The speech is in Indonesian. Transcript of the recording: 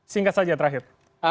singkat saja terakhir